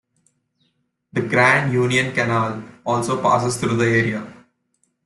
The Grand Union Canal also passes through the area.